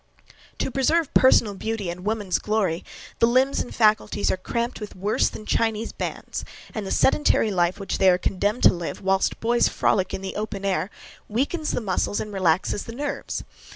To preserve personal beauty, woman's glory! the limbs and faculties are cramped with worse than Chinese bands, and the sedentary life which they are condemned to live, whilst boys frolic in the open air, weakens the muscles and relaxes the nerves.